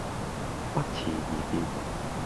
不辭而別